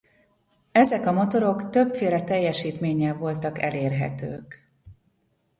Ezek a motorok többféle teljesítménnyel voltak elérhetők.